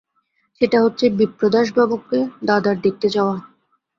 সেটা হচ্ছে বিপ্রদাসবাবুকে দাদার দেখতে যাওয়া।